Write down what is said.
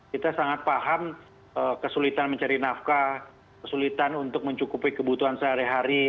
kita sangat paham kesulitan mencari nafkah kesulitan untuk mencukupi kebutuhan sehari hari